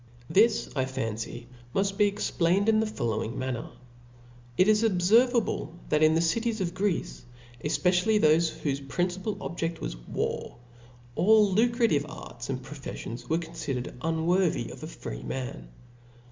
This I fancy muft be explained in the following manner. It is obfervable, that in the cities 6i Greece, efpecially thofe whofe principal objecl was warji all lucrative arts and profeffions were con (idered as unworthy of a freeman.